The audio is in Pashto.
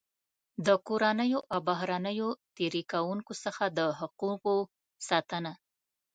د کورنیو او بهرنیو تېري کوونکو څخه د حقوقو ساتنه.